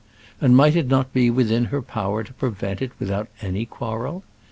And might it not be within her power to prevent it without any quarrel?